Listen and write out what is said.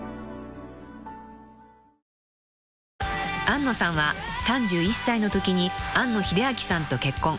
［安野さんは３１歳のときに庵野秀明さんと結婚］